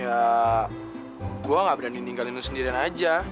ya gua gaberni ninggalin lu sendirian aja